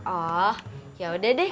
oh ya udah deh